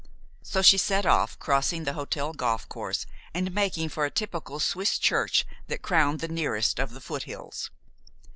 So she set off, crossing the hotel golf course, and making for a typical Swiss church that crowned the nearest of the foothills.